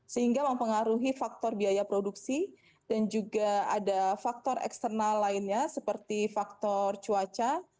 sehingga mempengaruhi faktor biaya produksi dan juga ada faktor eksternal lainnya seperti faktor cuaca